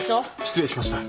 失礼しました。